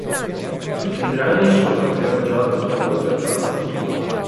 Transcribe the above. Tutti i brani sono stati arrangiati da Walter Carlos.